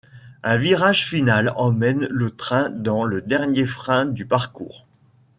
Un virage final emmène le train dans le dernier frein du parcours.